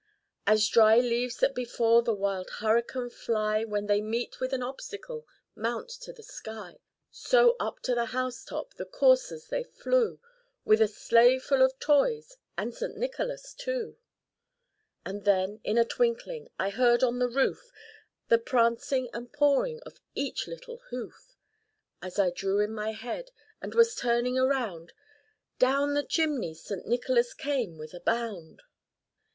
‚ÄĚ As dry leaves that before the wild hurri¬ cane fly, When they meet with an obstacle, mount to the sky, So, up to the housetop, the coursers they flew, With the sleighful of toys‚ÄĒand St. Nicholas too. And then in a twinkling I heard on the roof The prancing and pawing of each little hoof. As I drew in my head, and was turning around, Down the chimney St. Nicholas came'with a bound.